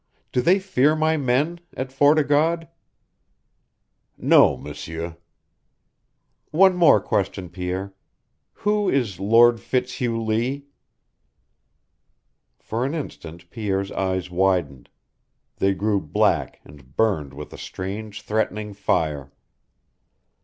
Do they fear my men at Fort o' God?" "No, M'sieur." "One more question, Pierre. Who is Lord Fitzhugh Lee?" For an instant Pierre's eyes widened. They grew black, and burned with a strange, threatening fire.